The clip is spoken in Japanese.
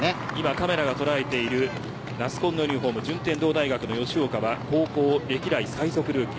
カメラが捉えている順天堂大学の吉岡は高校歴代最速ルーキー。